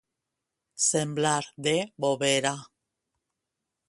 Semblar de Bovera.